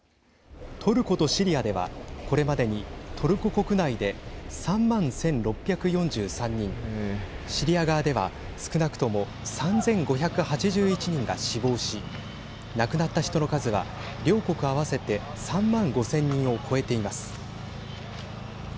トルコとシリアではこれまでにトルコ国内で３万１６４３人シリア側では少なくとも３５８１人が死亡し亡くなった人の数は両国合わせて３万５０００人を超えています。